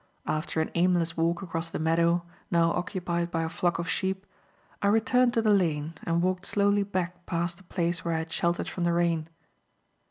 After an aimless walk across the meadow, now occupied by a flock of sheep, I returned to the lane and walked slowly back past the place where I had sheltered from the rain.